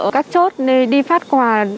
hội trợ các chốt để đi phát quà